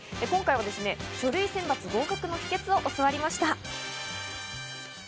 今回は書類選抜合格の秘訣を教わりました。